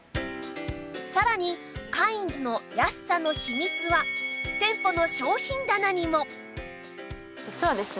さらにカインズの安さの秘密は店舗の商品棚にも実はですね